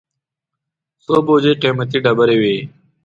څو بوجۍ قېمتي ډبرې وې.